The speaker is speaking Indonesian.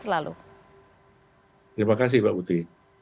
terima kasih mbak putri